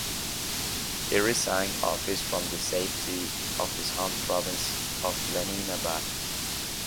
He resigned office from the safety of his home province of Leninabad.